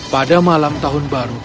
pada malam tahun baru